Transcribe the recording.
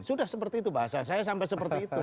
sudah seperti itu bahasa saya sampai seperti itu